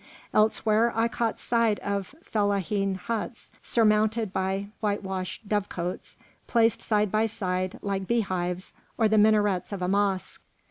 Elsewhere I caught sight of fellahin huts surmounted by whitewashed dovecotes, placed side by side like beehives or the minarets of a mosque.